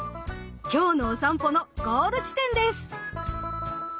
今日のおさんぽのゴール地点です。